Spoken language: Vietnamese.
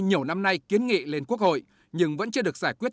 nhiều năm nay kiến nghị lên quốc hội nhưng vẫn chưa được giải quyết